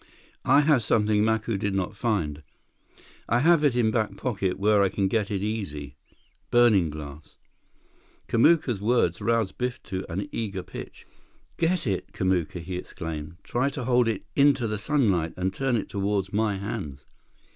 "I have something Macu did not find. I have it in back pocket where I can get it easy. Burning glass." Kamuka's words roused Biff to an eager pitch. "Get it, Kamuka!" he exclaimed. "Try to hold it into the sunlight and turn it toward my hands."